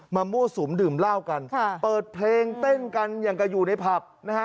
มั่วสุมดื่มเหล้ากันเปิดเพลงเต้นกันอย่างกับอยู่ในผับนะฮะ